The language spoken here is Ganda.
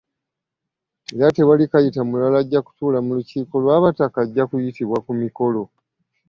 Era tewali Kayita mulala ajja kutuula mu lukiiko lw'abataka ajja kuyitibwa ku mikolo